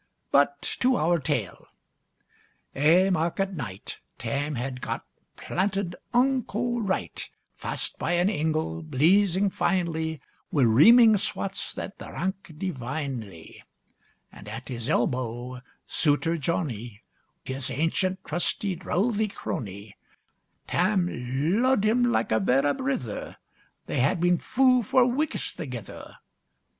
But to our tale: Ae market night, Tam had got planted unco right; Fast by an ingle, bleezing finely, Wi' reaming swats, that drank divinely; And at his elbow, Souter Johnny, His ancient, trusty, drouthy crony: Tam lo'ed him like a vera brither; They had been fou for weeks thegither.